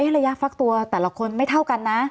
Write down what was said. ระยะฟักตัวแต่ละคนไม่เท่ากันนะ